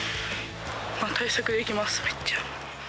対策できます、めっちゃ。